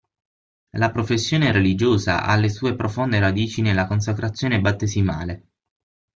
La professione religiosa ha le sue profonde radici nella consacrazione battesimale.